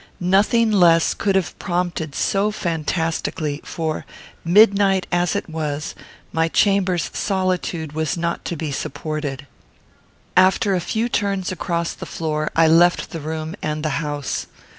Nothing less could have prompted so fantastically; for, midnight as it was, my chamber's solitude was not to be supported. After a few turns across the floor, I left the room, and the house.